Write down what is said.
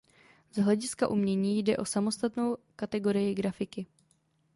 Z hlediska umění jde o samostatnou kategorii grafiky.